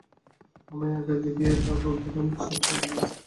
আমায় আগে দেখিয়ে তবে উদ্বোধনে ছাপতে দিবি।